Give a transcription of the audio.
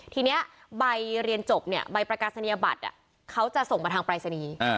ทีนี้ใบเรียนจบเนี่ยใบประกาศนียบัตรเขาจะส่งมาทางปรายศนีย์